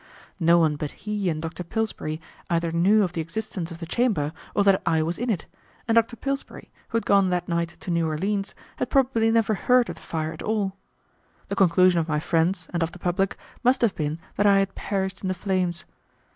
No one but he and Dr. Pillsbury either knew of the existence of the chamber or that I was in it, and Dr. Pillsbury, who had gone that night to New Orleans, had probably never heard of the fire at all. The conclusion of my friends, and of the public, must have been that I had perished in the flames.